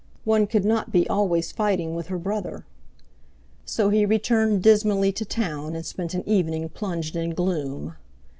One could not be always fighting with her brother! So he returned dismally to town and spent an evening plunged in gloom.